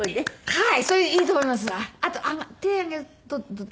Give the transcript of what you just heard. はい。